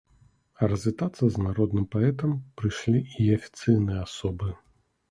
Развітацца з народным паэтам прыйшлі і афіцыйныя асобы.